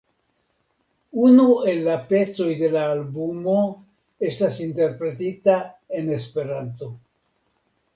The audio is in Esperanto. Unu el la pecoj de la albumo estas interpretita en Esperanto.